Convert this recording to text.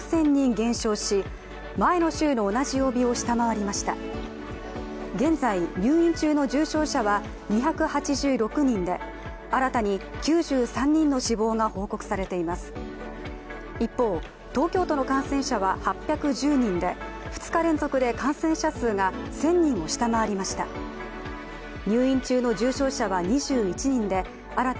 現在、入院中の重症者は２８６人で２日連続で感染者数が１０００人を下回りました。